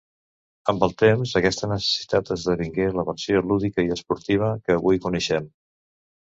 Amb el temps aquesta necessitat esdevingué la versió lúdica i esportiva que avui coneixem.